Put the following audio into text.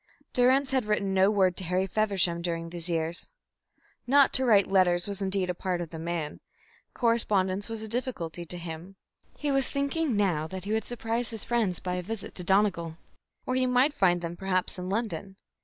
Durrance had written no word to Harry Feversham during these years. Not to write letters was indeed a part of the man. Correspondence was a difficulty to him. He was thinking now that he would surprise his friends by a visit to Donegal, or he might find them perhaps in London.